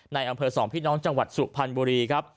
ในอำเภอสองพี่น้องจังหวัดสุพรรณบุรีครับ